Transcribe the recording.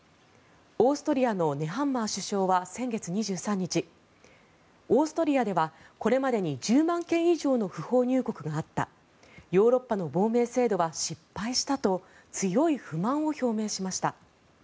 オーストリアのネハンマー首相は先月２３日オーストリアではこれまでに１０万件以上の不法入国があったヨーロッパの亡命制度は失敗したと強い不満を表明しました。